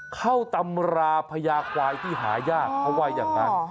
ตำราพญาควายที่หายากเขาว่าอย่างนั้น